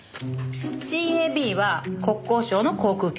ＣＡＢは国交省の航空局。